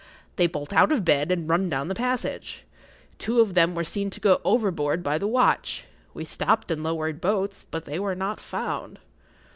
They bolt out of bed and run down the passage. Two of them were seen to go overboard by the watch; we stopped and lowered boats, but they were not found.